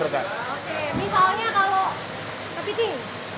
oke misalnya kalau kepiting